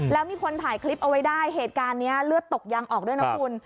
แล้วมีคนถ่ายคลิปเอาไว้ได้เหตุการณ์นี้เลือดตกยังออกด้วยนะคุณ